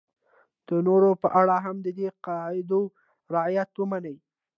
د نورو په اړه هم د دې قاعدو رعایت ومني.